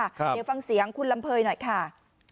เดี๋ยวฟังเสียงคุณลำเภยหน่อยค่ะ